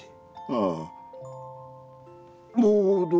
ああ。